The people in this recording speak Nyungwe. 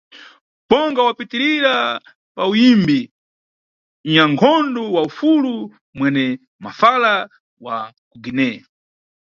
Bonga wapitirira pa uyimbi, nʼnyankhondo wa ufulu - mwene mafala wa ku Guiné.